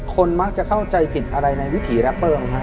คนมักจะเข้าใจผิดอะไรในวิถีแร็ปเปิ้ลค่ะ